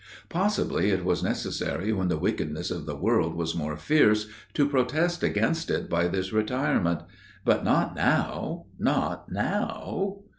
Possibly it was necessary when the wickedness of the world was more fierce, to protest against it by this retirement; but not now, not now!